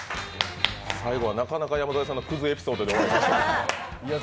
最後はなかなか山添さんのクズエピソードがありましたね。